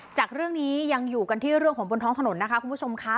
จากเรื่องนี้ยังอยู่กันที่เรื่องของบนท้องถนนนะคะคุณผู้ชมค่ะ